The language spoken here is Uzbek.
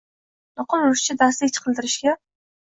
nuqul ruscha darslik qidirishga